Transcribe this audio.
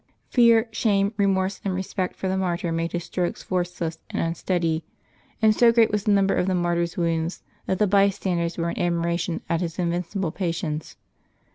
Fear, shame, remorse, and respect for the martyr made his strokes forceless and unsteady; and so great was the number of the martyr's wounds, that the bystanders were in admira tion at his invincible patience.